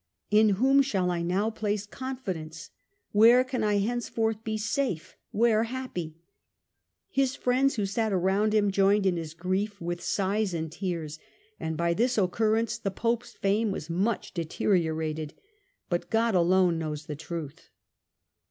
In whom shall I now place confidence ? where can I henceforth be safe, where happy ?' His friends who sat around him joined in his grief, with sighs and tears. And by this occurrence the Pope's fame was much deteriorated ; but God alone knows the truth."